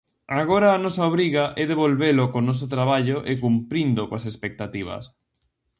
Agora a nosa obriga e devolvelo co noso traballo e cumprindo coas expectativas.